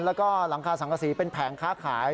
แล้วก็หลังคาสังกษีเป็นแผงค้าขาย